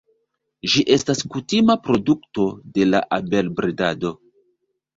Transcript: Ĝi estas kutima produkto de la abelbredado.